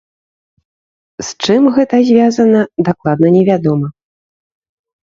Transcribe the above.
З чым гэта звязана, дакладна невядома.